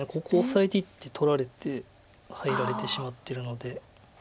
ここオサえていって取られて入られてしまってるので。